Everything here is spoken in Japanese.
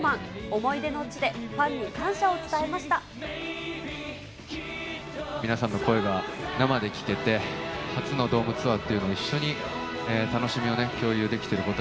思い出の地で、皆さんの声が生で聞けて、初のドームツアーというのを一緒に楽しみをね、共有できてること